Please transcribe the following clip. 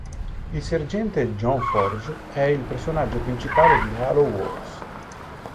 Il Sergente John Forge è il personaggio principale di Halo Wars.